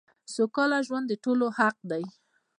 سوکاله ژوند دټولو حق دی .